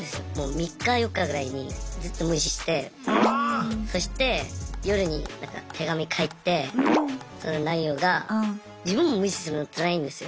３日４日ぐらいにずっと無視してそして夜に手紙書いてその内容が「自分も無視するのつらいんですよ